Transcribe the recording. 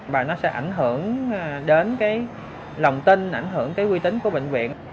và nó sẽ ảnh hưởng đến lòng tin ảnh hưởng tới quy tính của bệnh viện